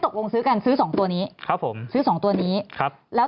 ตกลงซื้อกันซื้อสองตัวนี้ครับผมซื้อสองตัวนี้ครับแล้ว